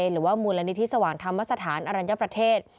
หรือว่ามูลนิธิสว่างธรรมสถานอรัญญประเทศ